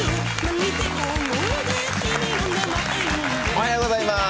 おはようございます。